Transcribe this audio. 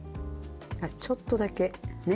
ちょっとだけね。